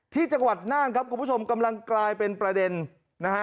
ที่จังหวัดน่านครับคุณผู้ชมกำลังกลายเป็นประเด็นนะฮะ